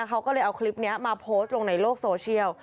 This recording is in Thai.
เขาก็เลยเอาคลิปนี้มาโพสต์ลงในโลกโซเชียล